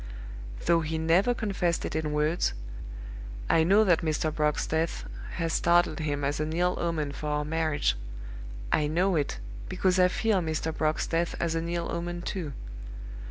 Though he never confessed it in words, I know that Mr. Brock's death has startled him as an ill omen for our marriage I know it, because I feel Mr. Brock's death as an ill omen too.